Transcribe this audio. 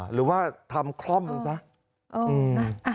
หรือว่าทำคล่อมหนึ่งซะ